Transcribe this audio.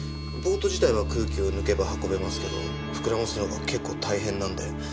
ボート自体は空気を抜けば運べますけど膨らますのが結構大変なんで。